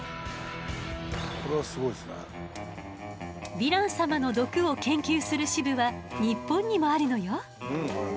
ヴィラン様の毒を研究する支部は日本にもあるのよ。